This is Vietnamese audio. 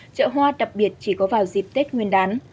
chợ hoa đặc biệt chỉ có vào dịp tết nguyên đán